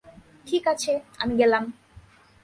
ঠিক আছে, আমি গেলাম।